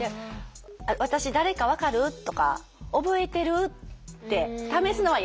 「私誰か分かる？」とか「覚えてる？」って試すのはやめてほしい。